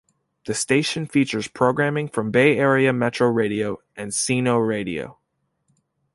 The station features programming from Bay Area Metro Radio and Sino Radio.